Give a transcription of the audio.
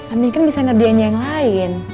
amin kan bisa ngerjain yang lain